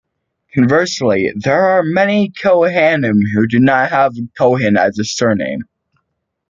Conversely, there are many kohanim who do not have Cohen as a surname.